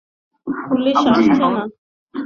Police আসছে না।